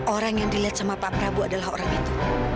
orang yang dilihat sama pak prabowo adalah orang itu